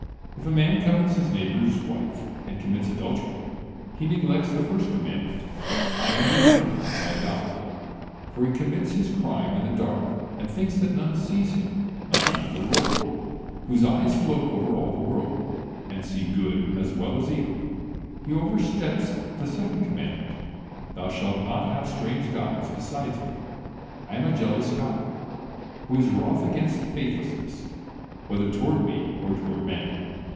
If a man covets his neighbor's wife and commits adultery, he neglects the first commandment: "I am the Eternal, thy God," for he commits his crime in the dark and thinks that none sees him, not even the Lord, whose eyes float over all the world, and see good as well as evil. He oversteps the second commandment: "Thou shalt not have strange gods besides Me…, I am a jealous God," who is wroth against faithlessness, whether toward Me, or toward men.